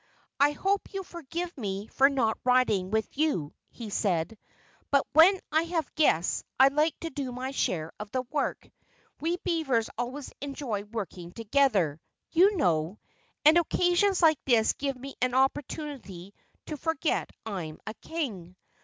"I hope you'll forgive me for not riding with you," he said, "but when I have guests, I like to do my share of the work we beavers always enjoy working together, you know, and occasions like this give me an opportunity to forget I'm a King."